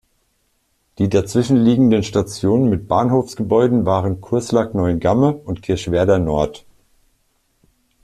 Die dazwischen liegenden Stationen mit Bahnhofsgebäuden waren "Curslack-Neuengamme" und "Kirchwerder-Nord".